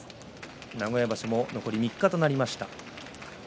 名古屋場所も残り３日となりました。